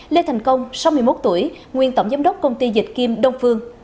lê thành công sáu mươi một tuổi nguyên tổng giám đốc công ty dịch kim đông phương